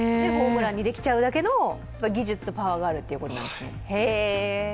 ホームランにできちゃうだけの技術とパワーがあるっていうことなんですね。